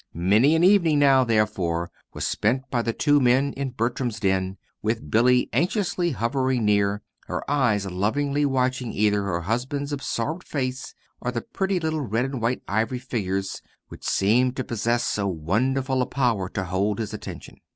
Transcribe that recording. Many an evening now, therefore, was spent by the two men in Bertram's den, with Billy anxiously hovering near, her eyes longingly watching either her husband's absorbed face or the pretty little red and white ivory figures, which seemed to possess so wonderful a power to hold his attention.